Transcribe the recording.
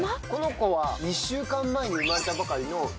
この子は２週間前に生まれたばかりの。